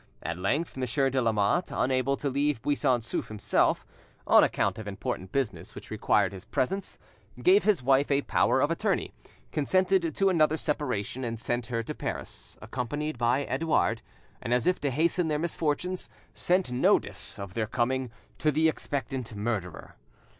At length Monsieur de Lamotte, unable to leave Buisson Souef himself, on account of important business which required his presence, gave his wife a power of attorney, consented to another separation, and sent her to Paris, accompanied by Edouard, and as if to hasten their misfortunes, sent notice of their coming to the expectant murderer.